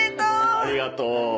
ありがとう。